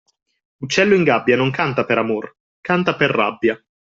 Uccello in gabbia non canta per amor, canta per rabbia.